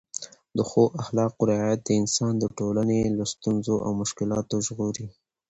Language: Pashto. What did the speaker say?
د ښو اخلاقو رعایت انسان د ټولنې له ستونزو او مشکلاتو ژغوري.